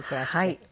はい。